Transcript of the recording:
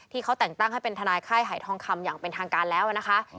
ที่เขาแต่งตั้งให้เป็นทนายค่ายหายทองคำอย่างเป็นทางการแล้วนะคะ